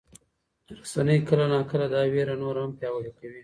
رسنۍ کله ناکله دا ویره نوره هم پیاوړې کوي.